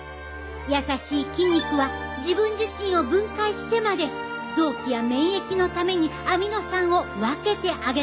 優しい筋肉は自分自身を分解してまで臓器や免疫のためにアミノ酸を分けてあげたのです。